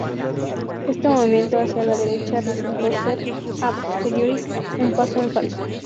Este movimiento hacia la derecha resultó ser "a posteriori" un paso en falso.